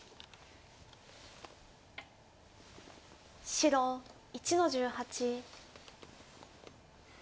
白１の十八。